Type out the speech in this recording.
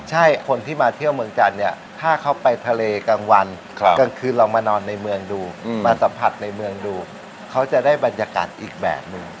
ใช่คนที่มาเที่ยวเมืองจันทร์เนี่ยถ้าเขาไปทะเลกลางวันกลางคืนลองมานอนในเมืองดูมาสัมผัสในเมืองดูเขาจะได้บรรยากาศอีกแบบหนึ่ง